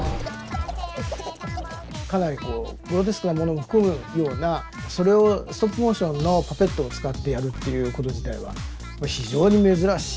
かなりこうグロテスクなものを含むようなそれをストップモーションのパペットを使ってやるっていうこと自体は非常に珍しい。